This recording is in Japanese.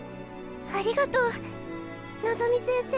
ありがとうのぞみ先生。